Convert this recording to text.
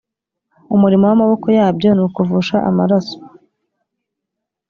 umurimo w’amaboko yabyo ni ukuvusha amaraso